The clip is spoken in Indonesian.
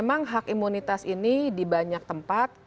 memang hak imunitas ini di banyak tempat